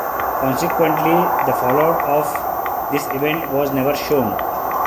Consequently, the fallout of this event was never shown.